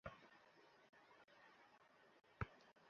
আব্দুল রহমানের সাথে।